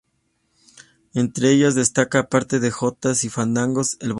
Entre ellas destaca, aparte de jotas y fandangos, el bolero.